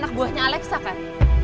anak buahnya alexa kan